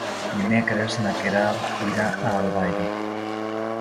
Dimecres na Queralt irà a Albaida.